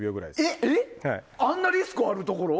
え、あんなリスクあるところ？